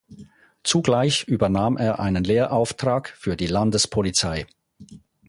Zugleich übernahm er einen Lehrauftrag für die Landespolizei.